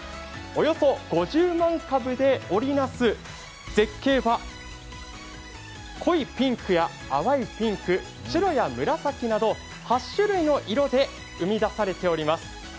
およそ５０万株で織りなす絶景は濃いピンクや淡いピンク、白や紫など、８種類の色で生み出されています。